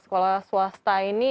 sekolah swasta ini